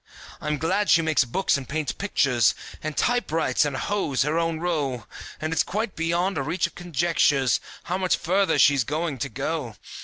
I'm glad she makes books and paints pictures, And typewrites and hoes her own row, And it's quite beyond reach of conjectures How much further she's going to go.